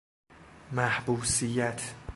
محبوسیت